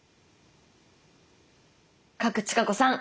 賀来千香子さん